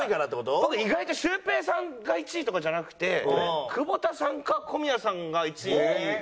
僕意外とシュウペイさんが１位とかじゃなくて久保田さんか小宮さんが１位２位。